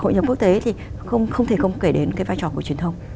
hội nhập quốc tế thì không thể không kể đến cái vai trò của truyền thông